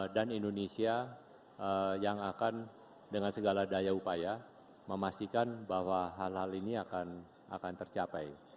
indonesia yang akan dengan segala daya upaya memastikan bahwa hal hal ini akan tercapai